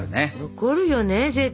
残るよね絶対。